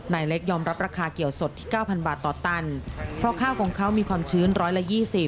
ในเล็กยอมรับราคาเกี่ยวสดที่๙๐๐๐บาทต่อตันเพราะข้าวของเขามีความชื้นร้อยละ๒๐